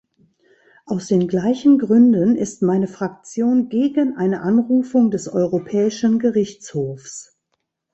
Aus den gleichen Gründen ist meine Fraktion gegen eine Anrufung des Europäischen Gerichtshofs.